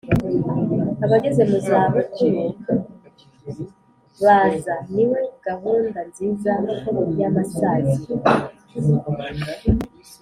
Aba geze mu izabukuru baza niwe ga hunda nziza y’ amasaziro